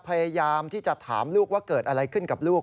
พยายามที่จะถามลูกว่าเกิดอะไรขึ้นกับลูก